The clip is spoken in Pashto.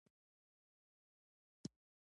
او څه ناخوښ دي په اړه پوښتنې ترې وکړئ،